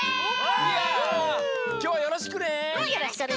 きょうはよろしくね。